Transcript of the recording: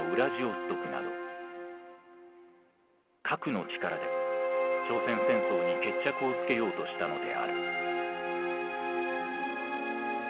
核の力で朝鮮戦争に決着をつけようとしたのである。